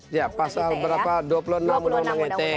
iya pasal berapa dua puluh enam undang undang ite